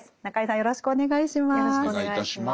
よろしくお願いします。